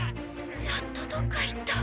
やっとどっか行った。